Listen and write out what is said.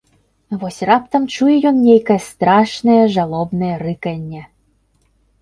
Вось раптам чуе ён нейкае страшнае жалобнае рыканне...